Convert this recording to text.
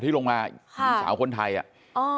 ที่ลงมาค่ะสาวคนไทยอ่ะอ๋อ